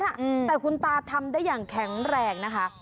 อืมแต่คุณตาทำได้อย่างแข็งแรงนะคะ